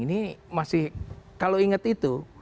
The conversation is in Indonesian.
ini masih kalau inget itu